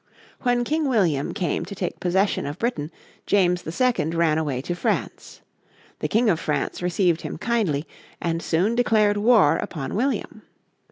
When King William came to take possession of Britain, James II ran away to France. The King of France received him kindly, and soon declared war upon William.